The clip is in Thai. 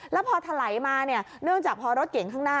แล้วพอถลายมาเนี่ยเนื่องจากพอรถเก่งข้างหน้า